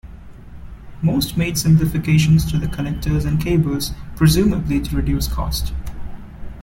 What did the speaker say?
Most made simplifications to the connectors and cables, presumably to reduce costs.